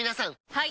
はい！